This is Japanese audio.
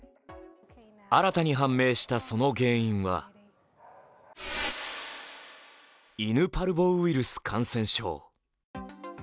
新たに判明したその原因は犬パルボウイルス感染症。